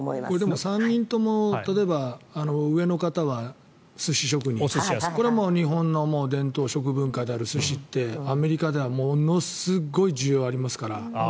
でも、３人とも例えば、上の方は寿司職人、これは日本の伝統食文化である寿司ってアメリカではものすごい需要ありますから。